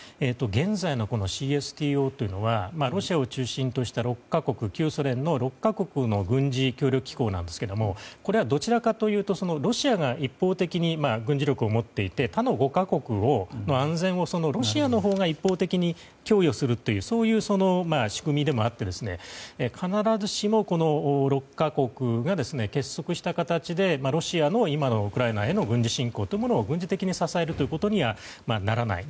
現在のＣＳＴＯというのはロシアを中心とした旧ソ連の６か国の軍事協力機構なんですがこれはどちらかというとロシアが一方的に軍事力を持っていて他の５か国の安全をロシアのほうが一方的に供与するという仕組みでもあって必ずしもこの６か国が結束した形でロシアの今のウクライナへの軍事侵攻を軍事的に支えることにはならない。